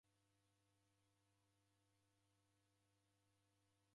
Kwani kwasindemanya ni ani?